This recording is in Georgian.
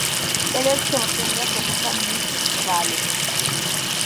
კედელში შემორჩენილია სწორკუთხა ნიშის კვალი.